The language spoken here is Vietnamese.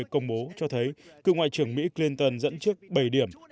công bố cho thấy cựu ngoại trưởng mỹ clinton dẫn trước bảy điểm